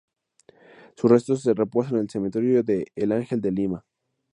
Sus restos reposan en el Cementerio de El Ángel de Lima.